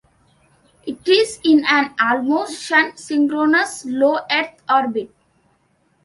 It is in an almost sun synchronous low Earth orbit.